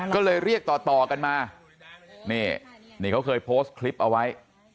ก็เลยเรียกต่อกันมานี่นี่เขาเคยโพสต์คลิปเอาไว้